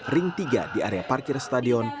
ring tiga di area parkir stadion